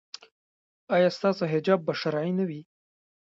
ایا ستاسو حجاب به شرعي نه وي؟